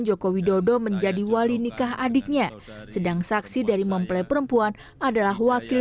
joko widodo menjadi wali nikah adiknya sedang saksi dari mempelai perempuan adalah wakil